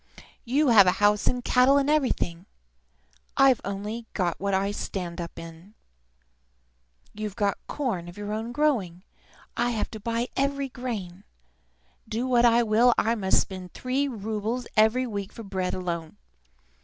You have a house, and cattle, and everything; I've only what I stand up in! You have corn of your own growing; I have to buy every grain. Do what I will, I must spend three roubles every week for bread alone.